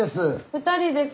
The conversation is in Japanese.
２人です。